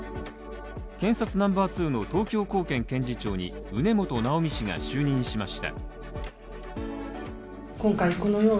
検察ナンバー２の東京高検検事長に畝本直美氏が就任しました。